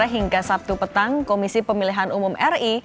hingga sabtu petang komisi pemilihan umum ri